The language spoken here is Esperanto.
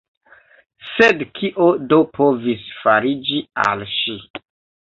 Sed kio do povis fariĝi al ŝi?